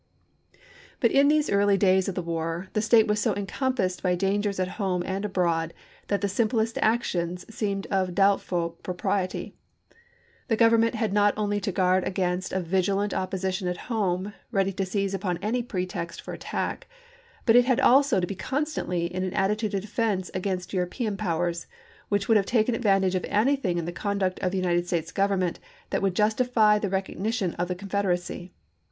But in the early days of the war the state was so encompassed by dan gers at home and abroad that the simplest actions seemed of doubtful propriety. The Government had not only to guard against a vigilant opposition at home, ready to seize upon any pretext for attack, but it had also to be constantly in an atti tude of defense against European powers, which would have taken advantage of anything in the PRISONERS OF WAR 447 conduct of the United States Government that chap. xvi. would justify the recognition of the Confederacy.